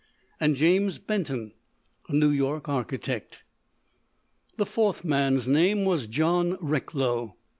and James Benton, a New York architect. The fourth man's name was John Recklow.